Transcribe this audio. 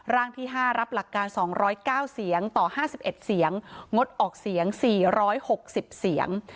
ร่างที่๕รับหลักการ๒๐๙เสียงต่อ๕๑เสียงงดออกเสียง๔๖๐เสียง